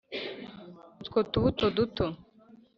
utwo tubuto duto